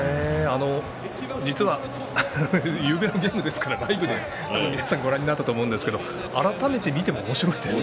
実は夕べのゲームですからライブでご覧になったとも思いますけど改めて見ても、おもしろいですね。